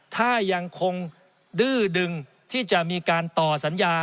ถ้ายังคงดื้อดึงที่จะมีการต่อสัญญา